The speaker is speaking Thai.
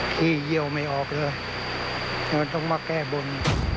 เยี่ยวไม่ออกเลยมันต้องมาแก้บน